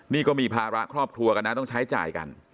นี่ก็มีภาระครอบครัวกันนะต้องใช้จ่ายกัน